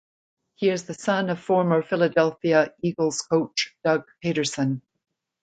He is the son of former Philadelphia Eagles coach Doug Pederson.